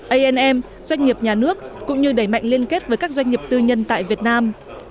amm doanh nghiệp nhà nước cũng như đẩy mạnh liên kết với các doanh nghiệp tư nhân tại việt nam